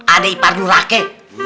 ade ipar lu rake